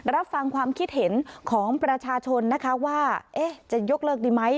รับฟังความคิดเห็นของประชาชนนะคะว่าจะยกเลิกดีไหม